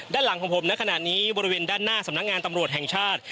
ด้านหลังของผมในขณะนี้บริเวณด้านหน้าสำนักงานตำรวจแห่งชาติ